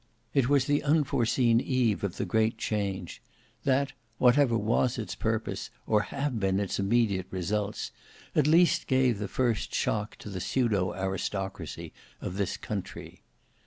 It was the unforeseen eve of the great change, that, whatever was its purpose or have been its immediate results, at least gave the first shock to the pseudo aristocracy of this country.